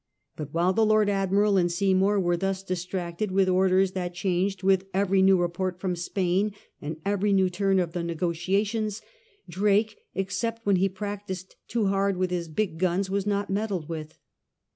But while the Lord Admiral and Sey^nour were thus distracted with orders that changed with every new report from Spain and every new turn of the negotiations, Drake, except when he practised too hard with his big guns, was not meddled with.